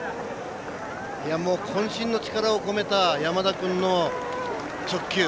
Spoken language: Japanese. こん身の力を込めた山田君の直球。